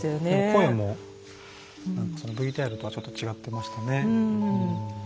声もＶＴＲとはちょっと違ってましたね。